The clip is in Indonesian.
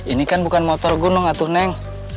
ini kan bukan motor gunung atau neng